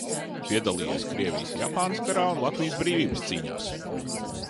Piedalījies Krievijas–Japānas karā un Latvijas brīvības cīņās.